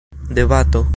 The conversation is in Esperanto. debato